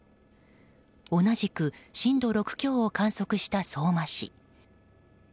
同じく震度６強を観測した相馬市。